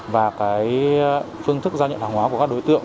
và phương thức giao nhận hàng hóa của các đối tượng